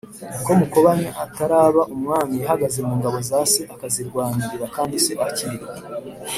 ko mukobanya ataraba umwami yahagaze mu ngabo za se akazirwanirira kandi se akiriho